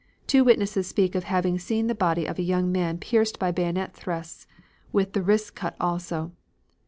Two witnesses speak of having seen the body of a young man pierced by bayonet thrusts with the wrists cut also.